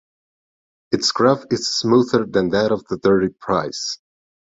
Its graph is smoother than that of the dirty price.